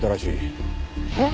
えっ？